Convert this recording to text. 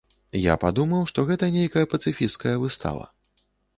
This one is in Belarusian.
Я падумаў, што гэта нейкая пацыфісцкая выстава.